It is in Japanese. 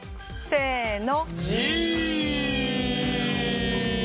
せの！